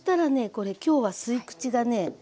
これ今日は吸い口がね